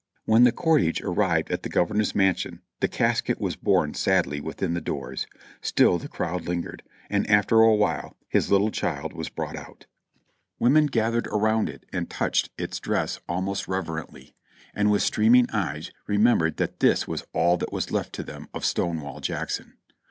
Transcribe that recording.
When the cortege arrived at the Governor's mansion the cas ket was borne sadly within the doors. Still the crowd lingered, and after a while his little child was brought out. Women gath 364 JOHNNY RE;b and BILLY YANK ered around it and touched its dress almost reverentially, and with streaming eyes remembered that this was all that was left to them of Stonewall Jackson.